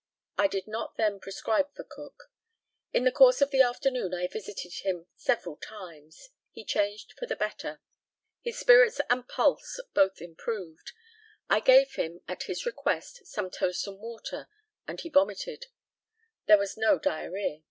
I did not then prescribe for Cook. In the course of the afternoon I visited him several times. He changed for the better. His spirits and pulse both improved. I gave him, at his request, some toast and water, and he vomited. There was no diarrhœa.